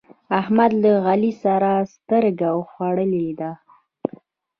احمد له علي سره سترګه خوړلې ده.